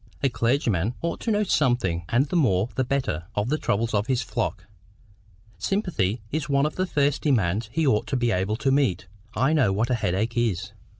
"A clergyman ought to know something, and the more the better, of the troubles of his flock. Sympathy is one of the first demands he ought to be able to meet—I know what a headache is."